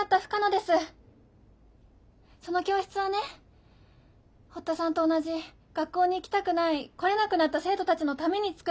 その教室はね堀田さんと同じ学校に行きたくない来れなくなった生徒たちのために作られたの。